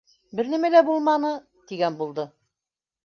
— Бер нәмә лә булманы... — тигән булды.